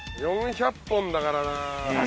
４００本だからなあ。